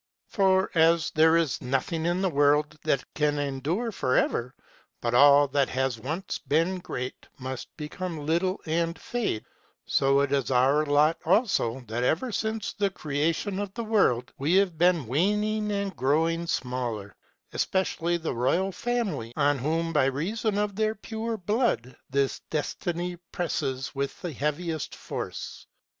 "' For as there is nothing in the world that can endure forever, but all that has once been great must become little and fade, it is our lot, also, that, ever since the creation of the world, we have been waning, and growing smaller, ŌĆö espe cially the royal family, on whom, by reason of their pure blood, this destiny presses with the heaviest force.